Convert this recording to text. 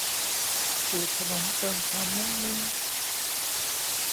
สูตรขนมเติมความมุ้งมิ้ง